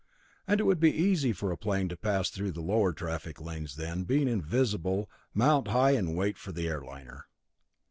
And it would be easy for a plane to pass through the lower traffic lanes, then, being invisible, mount high and wait for the air liner.